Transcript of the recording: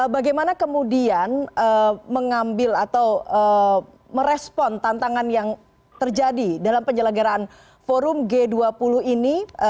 bagaimana kemudian mengambil atau merespon tantangan yang terjadi dalam penyelenggaraan forum g dua puluh ini